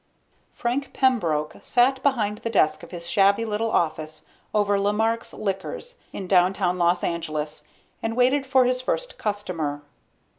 _ Frank Pembroke sat behind the desk of his shabby little office over Lemark's Liquors in downtown Los Angeles and waited for his first customer.